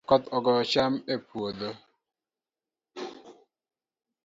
Koth ogoyo cham e puodho